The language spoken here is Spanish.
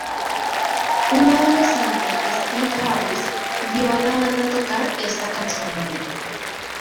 Un adolescente Steve Harris vio a la banda tocar esta canción en vivo.